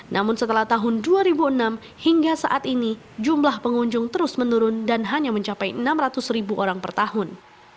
namun setelah tahun dua ribu enam hingga saat ini jumlah pengunjung terus menurun dan hanya mencapai enam ratus ribu orang per tahun